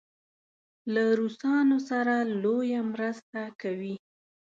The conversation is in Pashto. له روسانو سره لویه مرسته کوي.